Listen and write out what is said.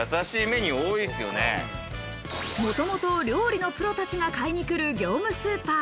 もともと料理のプロたちが買いに来る業務スーパー。